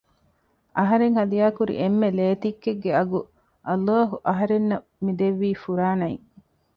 އަހަރެން ހަދިޔާކުރި އެންމެ ލޭތިއްކެއްގެ އަގު ﷲ އަހަރެންނަށް މިދެއްވީ ފުރާނައިން